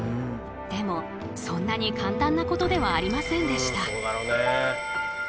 でもそんなに簡単なことではありませんでした。